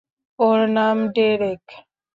ওর নাম ডেরেক।